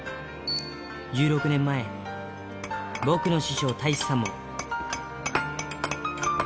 １６年前、僕の師匠、太一さんも。